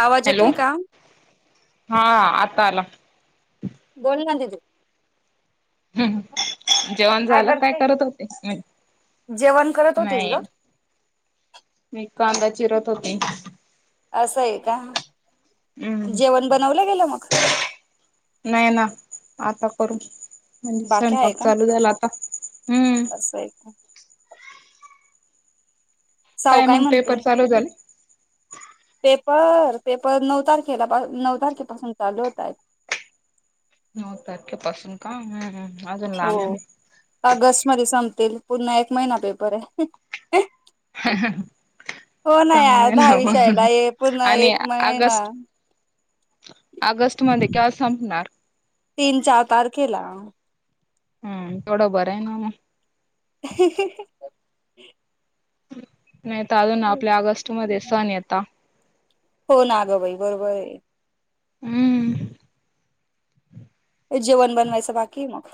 आवाज हॅलो. येतोय का? हा आता आला. बोल ना दीदी हम्. जेवण झालं काय करत होते? जेवण करत होतीस नाही. ग? मी कांदा चिरत होते. असं हाय का? हम्म जेवण बनवलं गेलं मग? नाही ना आता करू म्हणजे, स्वयंपाक चालू झाला आता. हम्म असय का? साऊ काय मग म्हणते? पेपर चालू झाले? पेपर पेपर नऊ तारखेला नऊ तारखेपासून चालू होत आहेत. नऊ तारखेपासून का ह, ह. हो. ऑगस्ट मध्ये संपतील. पुन्हा एक महिना पेपर हाय. ह, ह. चांगलं यार दहा हेना मग विषयाला आहे पुन्हा आणि एक महिना अगस्ट - - ऑगस्ट मध्ये केव्हा संपणार? तीन -चार तारखेला. हम्म. तेवढं बरं आहे ना मग. हे हे हे. नाही तर अजून आपल्या ऑगस्ट मध्ये सण येता. हो ना गं बाई बरोबर आहे. हम्म. जेवण बनवायचं बाकी आहे मग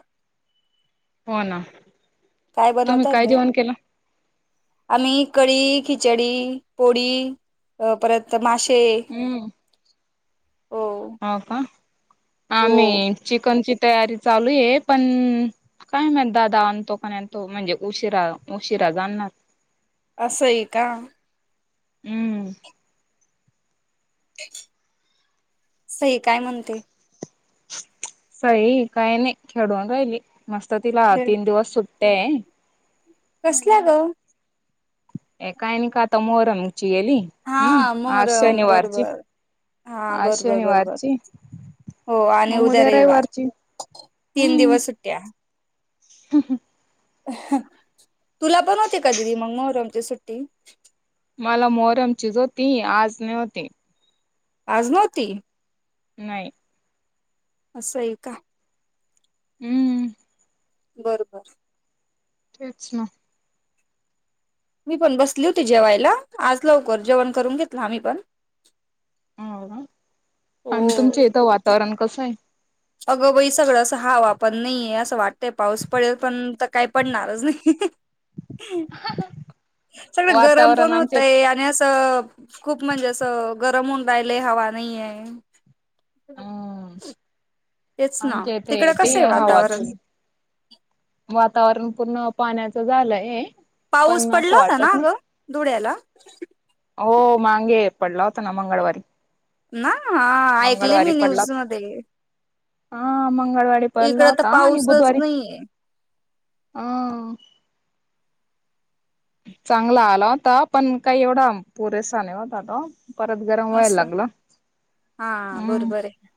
हो ना. काय तुम्ही बनवतायत काय बाई? जेवण केलं? आम्ही कडी, खिचडी, पोडी परत माश - - हम्म. हो हो आणि चिकनची तयारी चालू यं पण काय माहित दादा आणतो का नाही आणतो म्हणजे, उशिरा उशिरा जाणार. असय का? हम्म. सई काय म्हणते? सई काही नाही खेडुन राहिली. मस्त तिला तीन दिवस सुट्टी हाययं. कसल्या ग? एकायन का मोहरम - - गेली हम्म हा आज मोहरम शनिवारची, बरोबर हा आज बरोबर बरोबर शनिवारची. हो आणि मग उद्या रविवार रविवारची तीन दिवस सुट्या. हम् हम. तुला पण होते का दिदी मग मोहरमची सुट्टी? मला मोहरमचीच होती. आज नाही होती. आज नव्हती? नाही. असं हेयका? हम्म. बरोबर. तेच ना. मी पण बसली होती जेवायला आज लवकर जेवण करून घेतला आम्ही पण हो आणि तुमच हो इथं वातावरण कसं आहे अगं बाई सगळं असं हवा पण नाहीये असं वाटतंय पाऊस पडेल पण तर काय पडणारच नाही सगळं गरम वातावरण पण आमच्या होतंय आणि अस खूप म्हणजे असं गरम होऊन राहिले हवा नाहीये ह अ तेच ना आमच्या इथे तिकड येते कसं आहे हवा वातावरण थोडी वातावरण पूर्ण पाण्याच झालंय पाऊस पण असं पडला होता ना वाटत अ नाही गं धुळ्याला हो मांगे पडला होता ना मंगळवारी ना ऐकली मंगळवारी मी पडला न्यूज मध्ये हा मंगळवारी इकड पहिला तर होता आणि पाऊसच बुधवारी नाहीये ह चांगला आला होता पण काही एवढा पुरेसा नाही होता त अस हा हम्म बरोबर आहे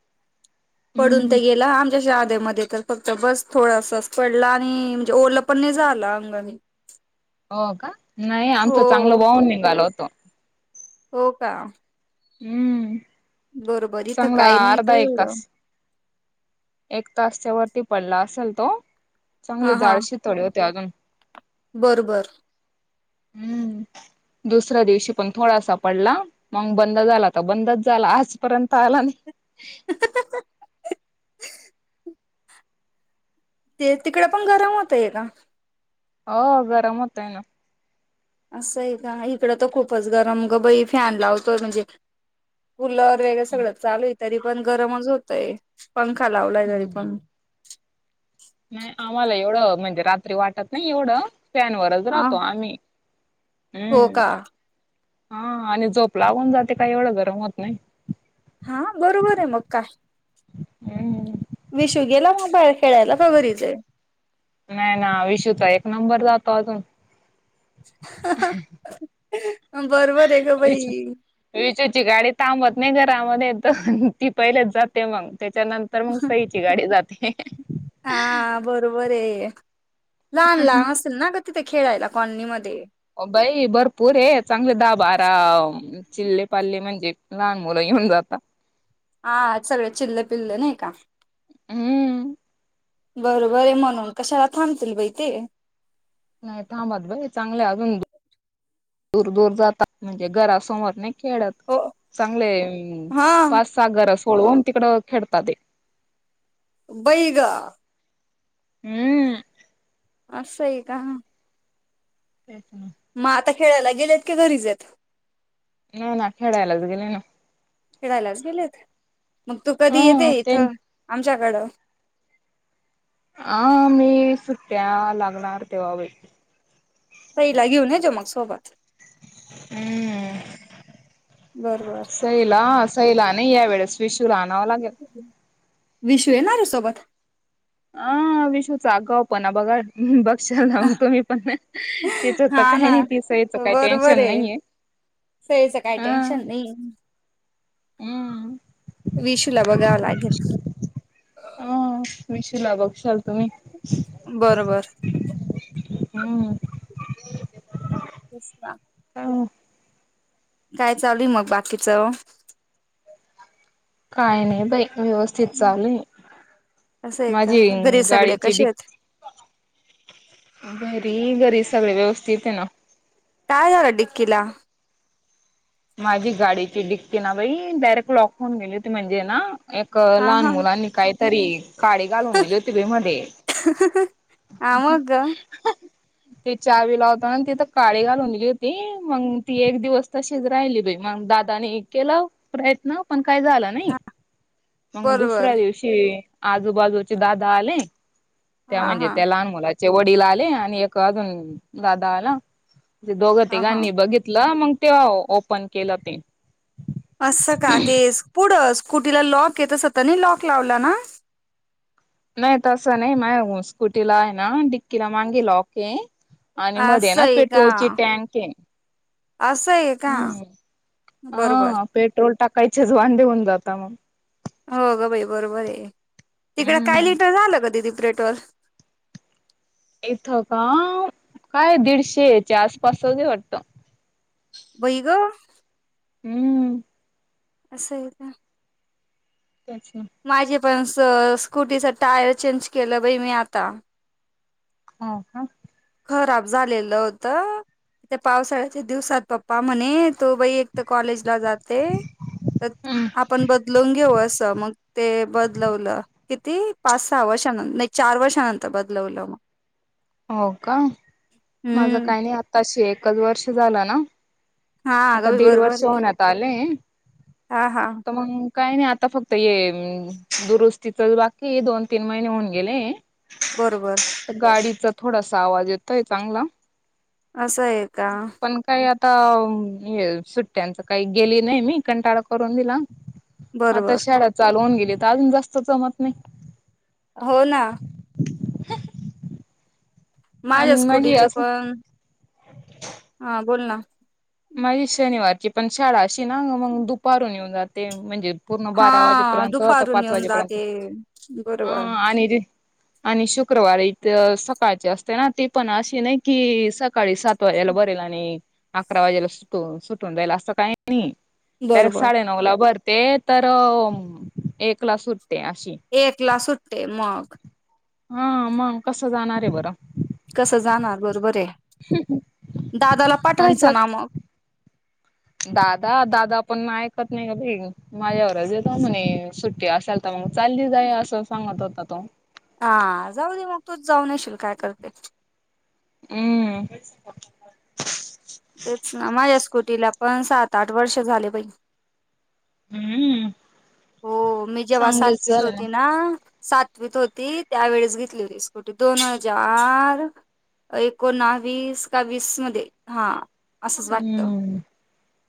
पडून हम्म तर गेलं आमच्या आ मध्ये तर फक्त बस थोडासाच पडला आणि म्हणजे ओरलं पण नाही झाला अंगामी हो का नाही आमचं चांगलं बाहून निघाल होतो हो का हम्म बरोबर इथं चांगला काय नाही ग अर्धा एक एवढं तास एक तासच्या वरती पडला असेल तो चांगले जाडशी तोडे होते अजून बरं बरं हम्म दुसऱ्या दिवशी पण थोडासा पडला मग बंद झाला तर बंदच झाला आजपर्यंत आला नाही ते तिकडे पण गरम होतय का हो गरम होत आहे ना असं आहे का इकडं तर खूपच गरम ग बई फॅन लावतोय म्हणजे कूलर वगरे सगळं चालू आहे तरी पण गरमच होतय पंखा लावलाय तरी पण नाही आम्हाला एवढं म्हणजे रात्री वाटत नाही एवढं त्याॅनवरच हा राहतो आम्ही हो हम्म का हा आणि झोप लावून जाते काही एवढं गरम होत नाही हा बरोबर आहे मग काय हम्म विशुगेला बाहेर खेळायला घरीच आहे नाही ना विषूता एक नंबर जातो अजून ह विचची गाडी थांबत नाही घ त्यामध्ये ती पहिलेच जाते मग त्याच्या नंतर मग सईची गाडी जाते हा बरोबर आहे लहान लहान असेल ना तिथे खेळायला कॉलनी मध्ये बाई भरपूर आहे चांगले दा बारा चिल्ले पाल्ले म्हणजे लहान मुलं येऊन जातात हा सगळे चिल्ल पिल्ल नाही का हम्म बरोबर आहे म्हणून कशाला थांबतील बाई ते नाही थांबत भाई चांगले अजून दूर दूर जातात म्हणजे घरासमोर नाही खेळत हो चांगले हा पाच सागर अस होन तिकड खेळतात हे बैग [unintelligible] असंय का? तेच ना. मग आता खेळायला गेलेत, की घरीचयत? नाही ना, खेळायलाच गेले ना. खेळायलाच गेलेत. मग तू कधी येते ह ते इथं? आ आमच्याकड. हा, मी, सुट्ट्या लागणार तेव्हा व सईला घेऊन ये जो मग सोबत. [inaudible] हम. बरोबर सईला, सईला नाही यावेेळेस, विशूला आणावं लागेल. विषू येणार आहे सोबत? आ, विशूचा अगाऊ पणा बघा, बघ. लावतो मी पण. तिचं तर हा काही ना नाही, सईच काही टेन्शन नाहीये. सईच काय टेन्शन नाही. हम. विशूला बघावा लागेल. अ विशूला [unintelligible] ल तुम्ही. बर - बर. हम्म अ काय चालूय मग बाकीचं? काय नाही बाई. व्यवस्थित चालूय. असं आहे का माझी घरी सगळे गाडीची कसे डिक आहेत घरी घरी सगळे व्यवस्थित आहे ना. काय झाल डिक्किला? माझी गाडीची डिक्की ना बाई, डायरेक्ट लॉक होऊन गेली होती. म्हणजे ना एक हा लहान हा. मुलांनी काहीतरी काडी घालून दिली होती बाई मधे. हा [unintelligible] मग ते चावी लावतांना तिथ काडी घालून दिली होती. मग ती एक दिवस तशी च राहिली बाई मग दादा ने केले प्रयत्न पण ती काही झालं नाही. मग बरोबर दुसऱ्या दिवशी आजूबाजूचे दादा आले, त्या हा म्हणजे हा त्या लहान मुला चे वडील आले आणि एक अजून दादा आला. ते दोघ हा हा. तिघांनी बघितलं. मग तेव्हा ओपन केलं ते. असं का तेस पुढं स कुटीला लॉकय तस तर नाही लॉक लावला ना? नाही तसं नाही. माया स्कुटीला आहे ना, डिक्कीला मागे लॉकय, आणि मधे असं ना आहे का? पेट्रोलची टँकय. असं आहे का? हम, बरोबर हा पेट्रोल टाकायचेच वांदे होऊन जातात मग. हो गं बाई, बरोबरय. तिकडे काय हम्म लिटर झालं ग दिदी. पेट्रोल. इथं का काय दीडशे च्या आसपास आहे वाटत? बई ग! हम. असंय का? [unintelligible] माझे पण असं, स्कूटीच टायर चेंज केलं बाई मी आता. हो का? खराब झालेलं होत. त्या पावसाळ्याच्या दिवसात पप्पा म्हणे तु बाई एक तर कॉलेजला जाते. तर आपण बदलून घेऊ असं. मग ते बदलवलं. किती पाच सहा वर्षानंतर नाही चार वर्षानंतर बदलवलं मग, हो का माझं हम्म काही नाही आताशी एकच वर्ष झालं ना, हा आता अगं बाई दीड वर्ष बरोबर आहे. होण्यात आलंय हा हा तर मग काही नाही आता फक्त ये दुरुस्तीच बाकी दोन तीन महिने होऊन गेले बरोबर गाडीचा थोडासा आवाज येतोय चांगला. असं आहे का. पण काही आता सुट्ट्यांच काही गेली नाही मी कंटाळा करून दिला. आता बरोबर शाळा चालवून गेली तर अजून जास्त जमत नाही. हो ना. [unintelligible] माझ्या आणि माझी स्कुटीच असं पण [inaudible] हा बोल ना माझी शनिवारची पण शाळा अशी ना मग दुपारून येऊन जाते म्हणजे पूर्ण बारा हा वाजेपर्यंत आता दुपारून पाच येऊन वाजेपर्यंत जाते. ह बरोबर आणि ते आणि शुक्रवारी इथ सकाळचे असते ना तेी पण अशी नाही कि सका सकाळी सात वाजेला बरेल आणि अकरा वाजेला सुटून सुटून जाईल असं काही डरेक्ट बरोबर साडेनऊ ला भरते तर एकला सुट एक ला सुट्टे मग. हा मग कसं जाणार आहे बरं, कसं जाणार बरोबर आहे दादाला पाठवायचं आमचा ना मग, दादा दादा पण ऐकत नाही का बाई माझ्यावरच येतो म्हणे सुट्टी असाल तर मग, चालली जा आहे असं सांगत होता तो, हा जाऊ दे मग तू जाऊ नशील काय करते. हम्म [unintelligible] तेच ना माझ्या स्कुटीला पण सात आठ वर्ष झाले पई. हम्म, हो मी जेव्हा चांगलेच सातवीत झालं होती ना. सातवीत होती त्यावेेळेस घेतली होती स्कुटी दोन हजार, एकोणवीस का वीस मध्ये हा. असंच वाटत हम्म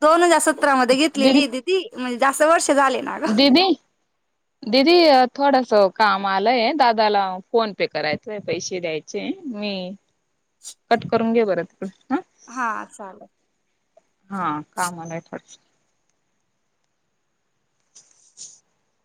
दोन हजार सतरा मध्ये दीदी घेतलेली दिदी म्हणजे जास्त वर्ष. ते झाले ना ग, दिदी दिदी थोडा सो. काम आलंय दादाला फोन पे करायचय पैसे द्यायचे मी, कट करून घे बरं तिकडे. हा चालेल, हा कामलाय रच. [inaudible]